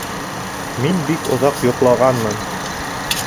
Мин бик оҙаҡ йоҡлағанмын